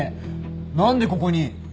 何でここに。